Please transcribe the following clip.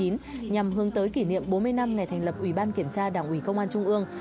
nhằm hướng tới kỷ niệm bốn mươi năm ngày thành lập ủy ban kiểm tra đảng ủy công an trung ương